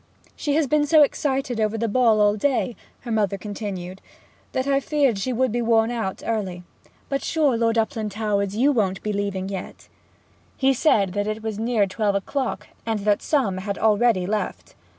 'She has been so excited over the ball all day,' her mother continued, 'that I feared she would be worn out early ... But sure, Lord Uplandtowers, you won't be leaving yet?' He said that it was near twelve o'clock, and that some had already left.